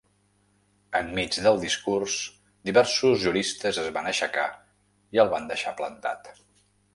Enmig del discurs, diversos juristes es van aixecar i el van deixar plantat.